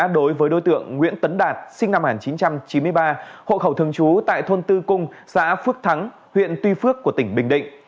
đối với đối tượng nguyễn tấn đạt sinh năm một nghìn chín trăm chín mươi ba hộ khẩu thường trú tại thôn tư cung xã phước thắng huyện tuy phước của tỉnh bình định